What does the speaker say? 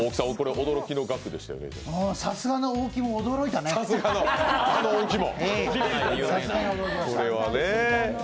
さすがの大木も驚いたね。